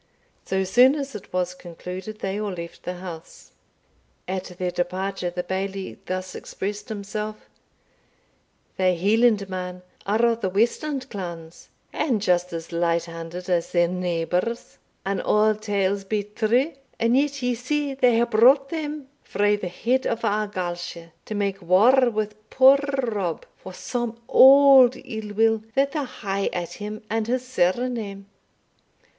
So soon as it was concluded they all left the house. At their departure, the Bailie thus expressed himself: "Thae Hielandmen are o' the westland clans, and just as light handed as their neighbours, an a' tales be true, and yet ye see they hae brought them frae the head o' Argyleshire to make war wi' puir Rob for some auld ill will that they hae at him and his sirname.